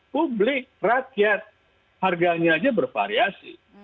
publik rakyat harganya aja bervariasi